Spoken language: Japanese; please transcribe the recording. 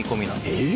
えっ⁉